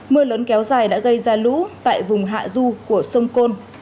mưa lớn kéo dài đã gây ra lũ tại vùng hạ du của sông côn